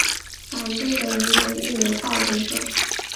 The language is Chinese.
反对的以每日邮报为首。